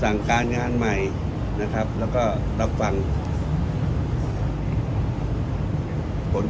การประชุมเมื่อวานมีข้อกำชับหรือข้อกำชับอะไรเป็นพิเศษ